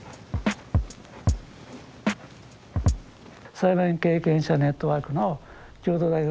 裁判員経験者ネットワークの共同代表